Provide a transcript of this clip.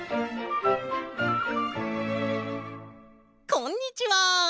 こんにちは！